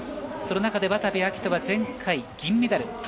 その中で渡部暁斗は前回銀メダル。